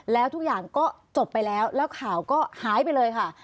แล้วทุกอย่างก็จบไปแล้วแล้วข่าวก็หายไปเลยค่ะ